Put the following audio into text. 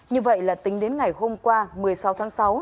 như vậy là tính đến ngày hôm qua một mươi sáu tháng sáu